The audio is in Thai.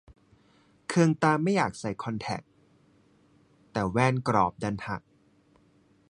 เคืองตาไม่อยากใส่คอนแทค แต่แว่นกรอบดันหัก